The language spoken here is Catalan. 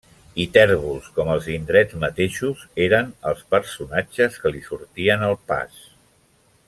I tèrbols com els indrets mateixos, eren els personatges que li sortien al pas.